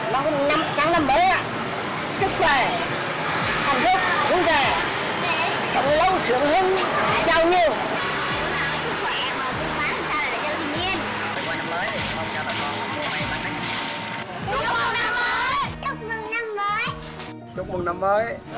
sáng năm mới sức khỏe hạnh phúc vui vẻ sống lâu sưởng hứng giao nhiêu